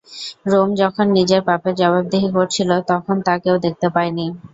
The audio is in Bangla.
রোম যখন নিজের পাপের জবাবদিহি করছিল তখন তা কেউ দেখতে পায় নি।